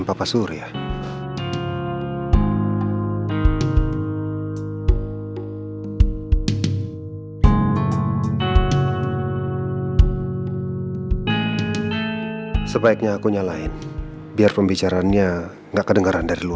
pasti ada yang disembunyiin sama nino